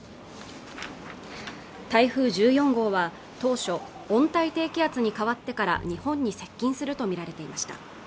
台風１４号は当初温帯低気圧に変わってから日本に接近すると見られていました